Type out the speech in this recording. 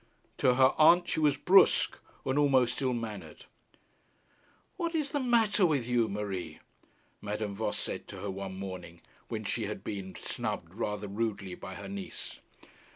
To her aunt she was brusque, and almost ill mannered. 'What is the matter with you, Marie?' Madame Voss said to her one morning, when she had been snubbed rather rudely by her niece.